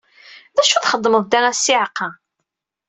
D acu txeddmeḍ da a ssiɛqa?